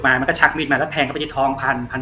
มันก็ทกมืดมาแล้วแทงเข้าภัยทองผ่านคำ